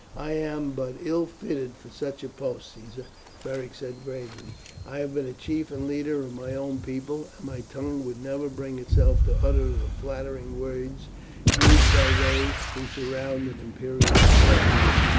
"I am but ill fitted for such a post, Caesar," Beric said gravely. "I have been a chief and leader of my own people, and my tongue would never bring itself to utter the flattering words used by those who surround an imperial throne.